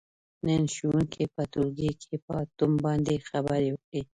نن ښوونکي په ټولګي کې په اتوم باندې خبرې وکړلې.